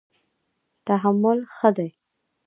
تحمل ښه دی.